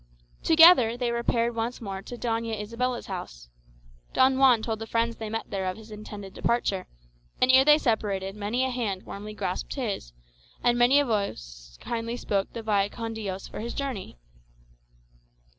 Together they repaired once more to Doña Isabella's house. Don Juan told the friends they met there of his intended departure, and ere they separated many a hand warmly grasped his, and many a voice spoke kindly the "Vaya con Dios" for his journey.